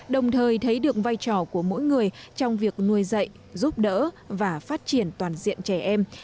đồng thời thấy được vai trò của mỗi người trong việc nuôi dạy giúp đỡ và phát triển toàn diện trẻ em